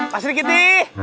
pak sri kiti